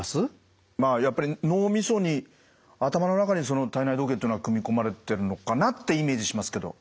まあやっぱり脳みそに頭の中にその体内時計というのは組み込まれてるのかなってイメージしますけど。